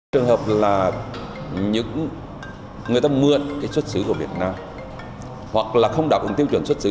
trường hợp là người ta mượn xuất xứ của việt nam hoặc là không đạt ứng tiêu chuẩn xuất xứ